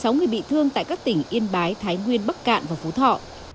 một mươi sáu người bị thương tại các tỉnh yên bái thái nguyên bắc cạn và phú thọ